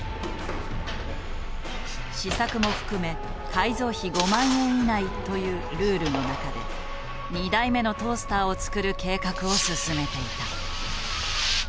試作も含め改造費５万円以内というルールの中で２台目のトースターを作る計画を進めていた。